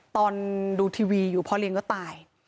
ตอนดูทีวีอยู่พ่อเลี้ยงก็ตาย